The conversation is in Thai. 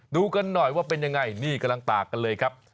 ดูกันหน่อยว่าเป็นยังไงนี่กำลังตากกันเลยครับ